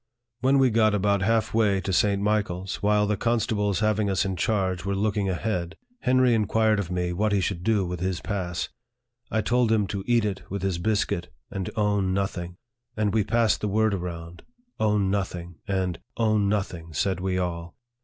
When we got about half way to St. Michael's, while the constables having us in charge were looking ahead f LIFE OF FREDERICK DOUGLASS. 91 Henry inquired of me what he should do with his pass. I told him to eat it with his biscuit, and own nothing ; and we passed the word around, " Own nothing ;" and " Own nothing !" said we all.